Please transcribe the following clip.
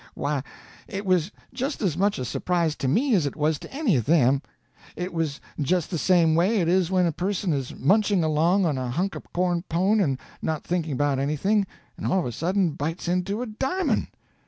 Why, it was just as much a surprise to me as it was to any of them. It was just the same way it is when a person is munching along on a hunk of corn pone, and not thinking about anything, and all of a sudden bites into a di'mond.